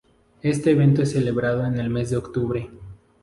Este evento es celebrado en el mes de octubre.